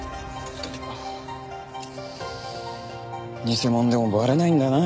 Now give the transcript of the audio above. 偽物でもバレないんだな。